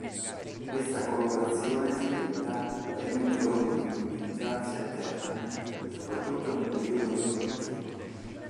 Questa colorazione spenta permette loro di mimetizzarsi a terra, soprattutto nel periodo riproduttivo.